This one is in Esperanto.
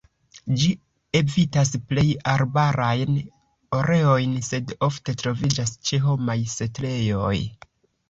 Ĝi evitas plej arbarajn areojn, sed ofte troviĝas ĉe homaj setlejoj.